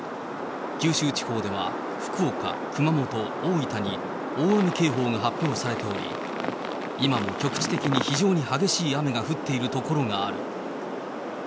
九州地方では、福岡、熊本、大分に大雨警報が発表されており、今も局地的に非常に激しい雨が降っている所がある。